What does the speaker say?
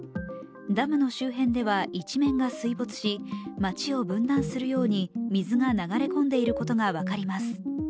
ダムの周辺では、一面が水没し、町を分断するように水が流れ込んでいることが分かります。